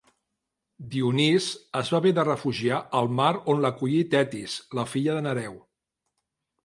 Dionís es va haver de refugiar al mar on l'acollí Tetis, la filla de Nereu.